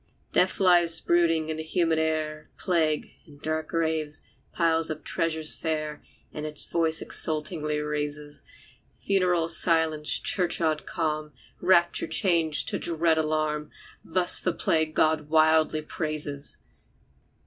Death lies brooding in the humid air, Plague, in dark graves, piles up treasures fair, And its voice exultingly raises. Funeral silence churchyard calm, Rapture change to dread alarm. Thus the plague God wildly praises!